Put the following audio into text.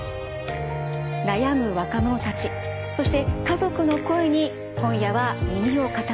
悩む若者たちそして家族の声に今夜は耳を傾けてください。